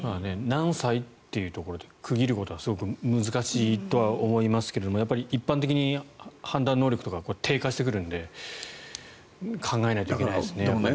何歳というところで区切ることはすごく難しいと思いますが一般的に判断能力とかが低下してくるので考えないといけないですね。